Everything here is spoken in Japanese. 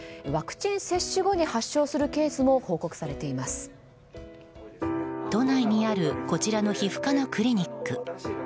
ワクチン接種後に発症するケースも都内にあるこちらの皮膚科のクリニック。